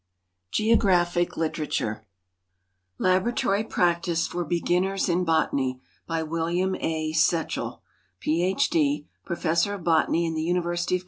GEOGRAPHIC LITERATURE Tjithoniliini Prartice for Befiinnm^ In Botanij. By William A. Setchell, Ph. n., Professor of Botany in the University of